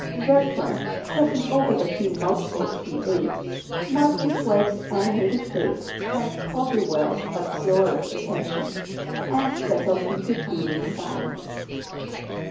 Bertram, choking over the few mouthfuls he ate, marked his wife's animated face and Calderwell's absorbed attention, and settled into gloomy silence.